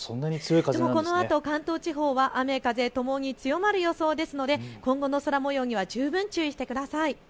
でもこのあと関東地方は雨風ともに強まる予想ですので今後の空もようには十分注意してください。